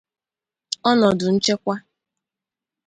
ọnọdụ nchekwa